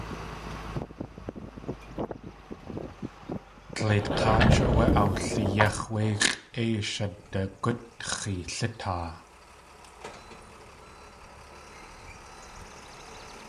Dleit k̲áach áwé awliyéx̲ wé x̲ʼéi shadagutx̲i lítaa.